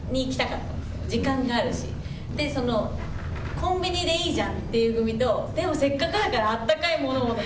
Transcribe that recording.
コンビニでいいじゃんという組とでもせっかくだから温かいものをって